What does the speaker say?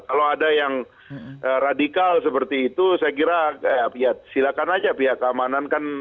kalau ada yang radikal seperti itu saya kira ya silakan aja pihak keamanan kan